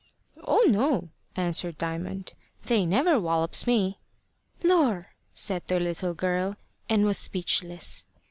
"Oh no!" answered Diamond. "They never wollops me." "Lor!" said the little girl, and was speechless.